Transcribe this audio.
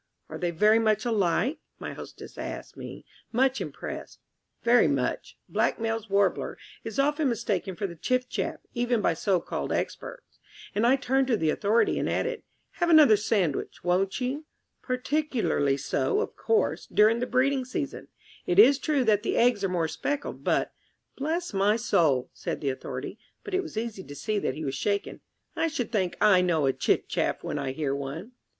"Are they very much alike?" my hostess asked me, much impressed. "Very much. Blackmail's Warbler is often mistaken for the Chiff chaff, even by so called experts" and I turned to the Authority and added, "Have another sandwich, won't you?" "particularly so, of course, during the breeding season. It is true that the eggs are more speckled, but " "Bless my soul," said the Authority, but it was easy to see that he was shaken, "I should think I know a Chiff chaff when I hear one."